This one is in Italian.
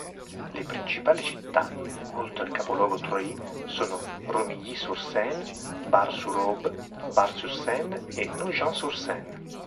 Le principali città, oltre al capoluogo Troyes, sono Romilly-sur-Seine, Bar-sur-Aube, Bar-sur-Seine e Nogent-sur-Seine.